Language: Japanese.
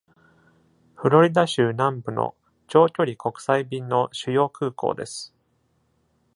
フロリダ州南部の長距離国際便の主要空港です。